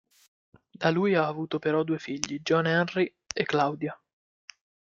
Da lui ha avuto però due figli, John Henry e Claudia.